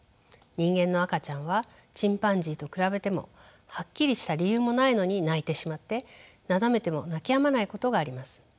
人間の赤ちゃんはチンパンジーと比べてもはっきりした理由もないのに泣いてしまってなだめても泣きやまないことがあります。